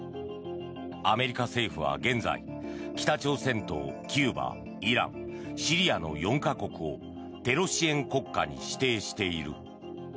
アメリカ政府は現在北朝鮮とキューバ、イランシリアの４か国をテロ支援国家に指定している。